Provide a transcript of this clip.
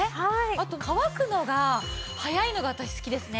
あと乾くのが早いのが私好きですね。